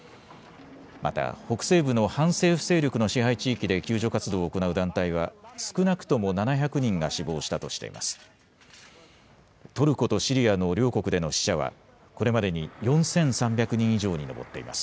また北西部の反政府勢力の支配地域で救助活動を行う団体は少なくとも７００人が死亡したとしています。